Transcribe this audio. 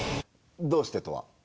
どうしてとは？